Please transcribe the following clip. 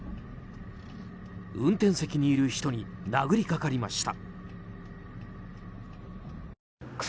運転席にいる人に殴りかかりました。